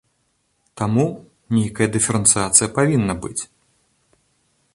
Таму, нейкая дыферэнцыяцыя павінна быць.